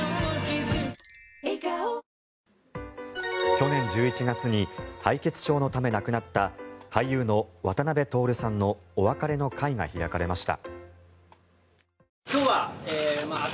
去年１１月に敗血症のため亡くなった俳優の渡辺徹さんのお別れの会が開かれました。